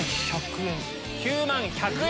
９万１００円。